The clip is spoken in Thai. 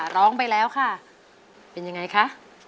ร้องไปแล้วค่ะเป็นยังไงคะ